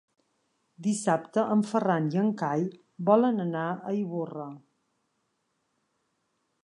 Dissabte en Ferran i en Cai volen anar a Ivorra.